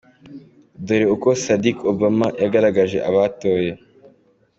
Dore uko Saddick Obama yagaragaje abatoye:.